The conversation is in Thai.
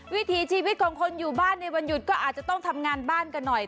วิถีชีวิตของคนอยู่บ้านในวันหยุดก็อาจจะต้องทำงานบ้านกันหน่อย